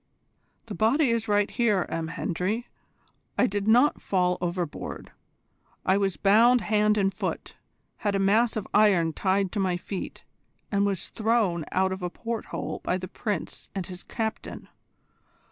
"The body is here right enough, M. Hendry. I did not fall overboard. I was bound hand and foot, had a mass of iron tied to my feet, and was thrown out of a port hole by the Prince and his captain.